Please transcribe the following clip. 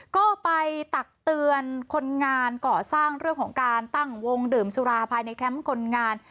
ก็ไปตักเตือนคนงานก่อสร้างเรื่องของการตั้งวงดื่มสุราภายในแคมป์คนงาน